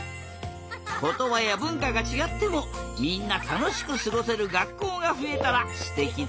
ことばやぶんかがちがってもみんなたのしくすごせるがっこうがふえたらすてきだな！